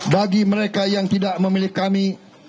bagi mereka yang tidak memilih kami